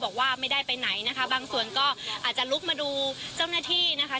บอกว่าไม่ได้ไปไหนนะคะบางส่วนก็อาจจะลุกมาดูเจ้าหน้าที่นะคะ